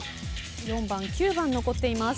４番９番残っています。